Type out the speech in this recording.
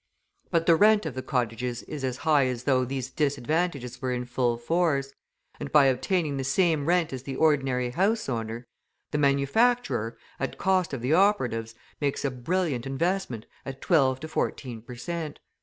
But the rent of the cottages is as high as though these disadvantages were in full force, and by obtaining the same rent as the ordinary house owner, the manufacturer, at cost of the operatives, makes a brilliant investment at twelve to fourteen per cent.